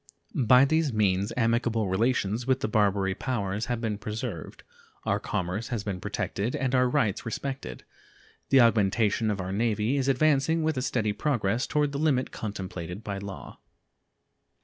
By these means amicable relations with the Barbary Powers have been preserved, our commerce has been protected, and our rights respected. The augmentation of our Navy is advancing with a steady progress toward the limit contemplated by law.